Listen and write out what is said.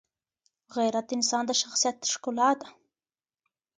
غیرت د انسان د شخصیت ښکلا ده.